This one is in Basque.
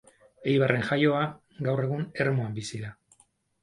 Eibarren jaioa, gaur egun Ermuan bizi da.